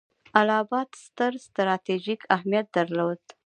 اله اباد ستر ستراتیژیک اهمیت درلود.